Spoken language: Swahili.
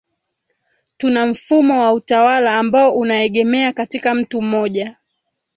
tuna mfumo wa utawala ambao unaegemea katika mtu moja